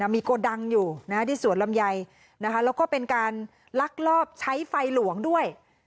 มีโกดังอยู่ที่สวนลำไยแล้วก็เป็นการลักลอบใช้ไฟหลวงด้วย